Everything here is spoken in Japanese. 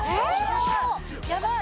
やばい。